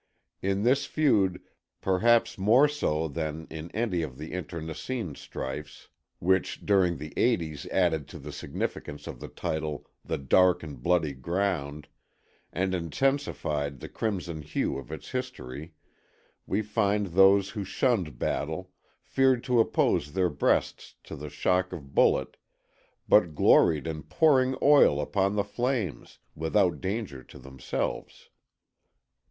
In this feud, perhaps more so than in any other of the internecine strifes which, during the eighties added to the significance of the title, the "Dark and Bloody Ground," and intensified the crimson hue of its history, we find those who shunned battle, feared to oppose their breasts to the shock of bullet, but gloried in pouring oil upon the flames, without danger to themselves.